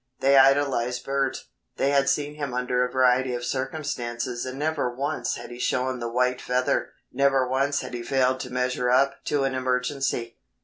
They idolized Bert. They had seen him under a variety of circumstances and never once had he shown the white feather. Never once had he failed to measure up to an emergency.